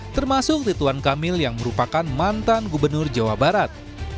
termasuk rituan kamil yang merupakan mantan gubernur jawa barat